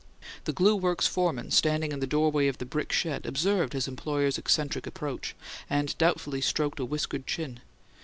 The glue works foreman, standing in the doorway of the brick shed, observed his employer's eccentric approach, and doubtfully stroked a whiskered chin.